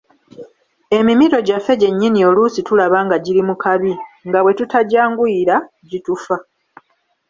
Emirimo gyaffe gyennyini oluusi tulaba nga giri mu kabi, nga bwe tutagyanguyira, gitufa.